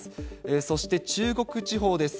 そして中国地方です。